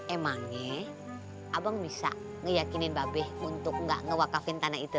emangnya abang bisa ngeyakinin babih untuk gak ngewakafin tanah itu